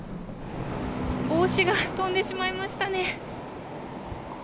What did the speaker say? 帽子が飛んでしまいましたね。